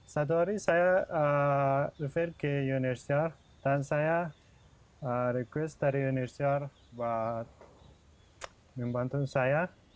satu hari saya berpanggilan ke unhcr dan saya meminta unhcr untuk membantu saya